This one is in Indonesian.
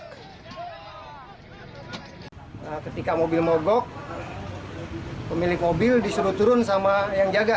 ketika mobil mogok pemilik mobil disuruh turun sama yang jaga